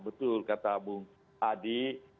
betul kata bung hadi